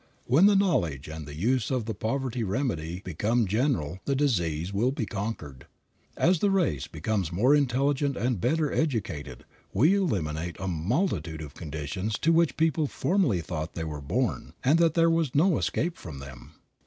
When the knowledge and the use of the poverty remedy become general the disease will be conquered. As the race becomes more intelligent and better educated we eliminate a multitude of conditions to which people formerly thought they were born, and that there was no escape from them.